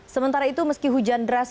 sementara itu meski hujan deras